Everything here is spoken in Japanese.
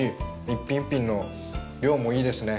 一品一品の量もいいですね。